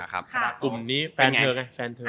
กลุ่มนี้แฟนเธอไง